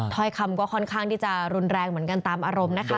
ถ้อยคำก็ค่อนข้างที่จะรุนแรงเหมือนกันตามอารมณ์นะคะ